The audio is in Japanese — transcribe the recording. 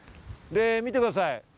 見てください。